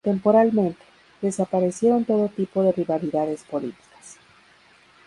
Temporalmente, desaparecieron todo tipo de rivalidades políticas.